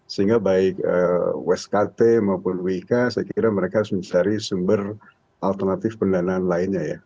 sehingga baik waskata maupun wika saya kira mereka harus mencari sumber alternatif pendanaan lainnya ya